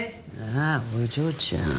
ああお嬢ちゃん。